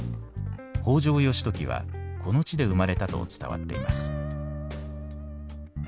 北条義時はこの地で生まれたと伝わっています。